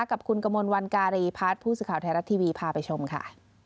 กับคุณกมลวันการีพัฒน์ผู้สื่อข่าวไทยรัฐทีวีพาไปชมค่ะ